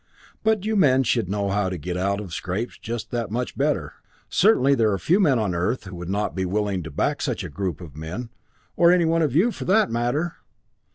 "But you men should know how to get out of scrapes just that much better. Certainly there are few men on Earth who would not be willing to back such a group of men or any one of you, for that matter!